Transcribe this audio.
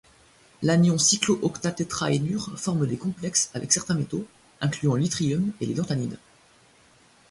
L'anion cyclooctatétraénure forme des complexes avec certains métaux, incluant l'yttrium et les lanthanides.